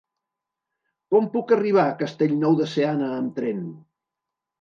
Com puc arribar a Castellnou de Seana amb tren?